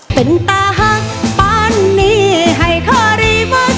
ร้องได้ให้ร้าน